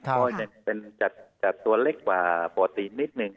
ก็จะเป็นตัวเล็กกว่าปกตินิดนึง